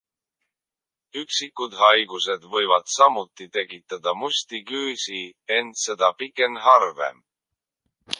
Üksikud haigused võivad samuti tekitada musti küüsi, ent seda pigem harvem.